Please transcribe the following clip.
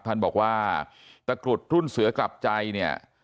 ท่านบอกว่าตะกรุดรุ่นเสือกลับใจเนี่ย